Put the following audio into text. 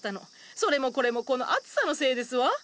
それもこれもこの暑さのせいですわ！